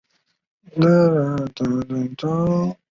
膜荚见血飞是豆科云实属的植物。